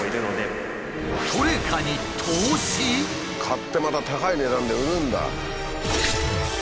買ってまた高い値段で売るんだ。